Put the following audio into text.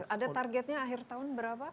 ada targetnya akhir tahun berapa